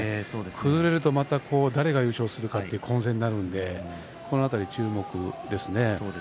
崩れると誰が優勝するかという混戦になるのでそこが注目ですね。